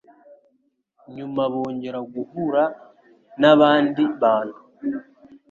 Nyuma bongera guhura n'abandi bantu,